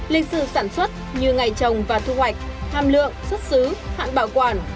lịch sử sản xuất như ngày trồng và thu hoạch hàm lượng xuất xứ hạn bảo quản